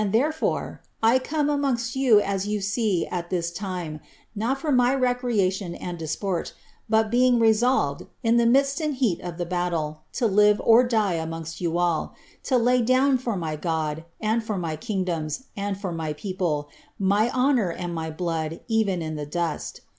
and, iherefore, I am come amongBt you aa you see at this lime, not h> my recreation tuiA disport, bul being rMolved, in the midst and heal of the Ijaiile, lo live or die amon^l you all— ^o lay down for my God, aaJ for ray kingdoms, and for my people, my noBour and my blood even in the dust.